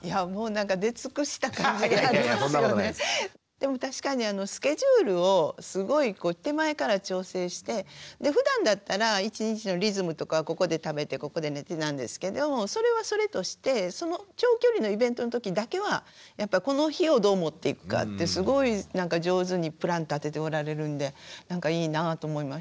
でも確かにスケジュールをすごいこう手前から調整してでふだんだったら一日のリズムとかはここで食べてここで寝てなんですけどそれはそれとしてその長距離のイベントの時だけはやっぱこの日をどうもっていくかってすごい上手にプラン立てておられるんでなんかいいなぁと思いました。